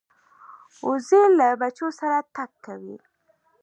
وزې له بچو سره تګ کوي